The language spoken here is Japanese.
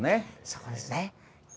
そうですね。